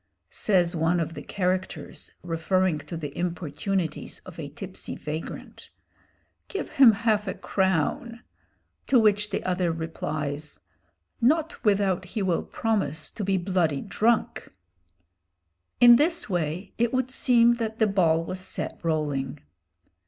Says one of the characters, referring to the importunities of a tipsy vagrant, "Give him half a crown!" to which the other replies, "Not without he will promise to be bloody drunk!" In this way it would seem that the ball was set rolling.